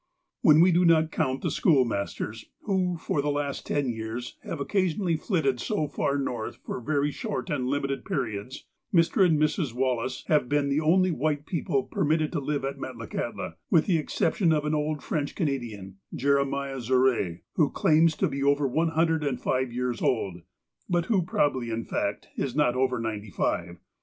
When we do not count the schoolmasters, who, for the last ten years, have occasionally flitted so far North for very short and limited periods, Mr. and Mrs. Wallace have been the only white people permitted to live at Metlakahtla, with the exception of an old French Cana dian, Jeremiah Zuruet, who claims to be over one hundred and five years old, but who probably, in fact, is not over ninety five.